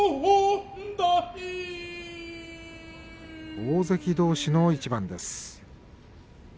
大関どうしの一番です。